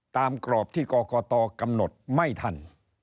กรอบที่กรกตกำหนดไม่ทัน